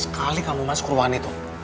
sekali kamu masuk ruangan itu